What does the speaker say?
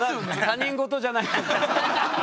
他人事じゃない。